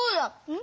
ん？